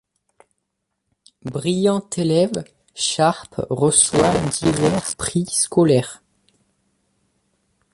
Brillant élève, Sharpe reçoit divers prix scolaires.